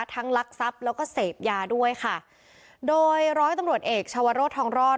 ลักทรัพย์แล้วก็เสพยาด้วยค่ะโดยร้อยตำรวจเอกชาวโรธทองรอด